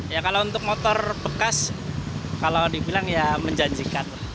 ya kalau untuk motor bekas kalau dibilang ya menjanjikan